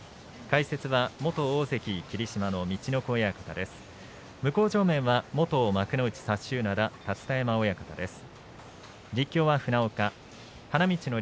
解説は元大関霧島の陸奥親方です。